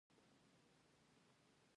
کله چې په فعاليتونو کې سپين سترګي زياته شوه.